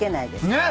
ねっ。